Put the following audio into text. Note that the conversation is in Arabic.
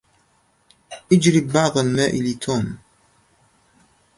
اجلب بعض الماء لتوم.